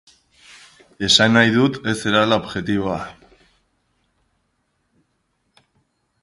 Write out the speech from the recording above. Esan nahi dut ez zarela objektiboa.